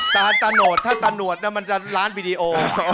ตานตานหนวดถ้าตานหนวดมันจะล้านวีดีโอ